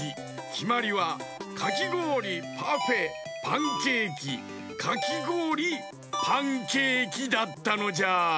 きまりはかきごおりパフェパンケーキかきごおりパンケーキだったのじゃ。